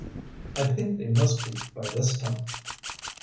"I think they must be by this time."